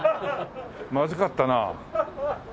まずかったな。